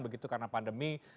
begitu karena pandemi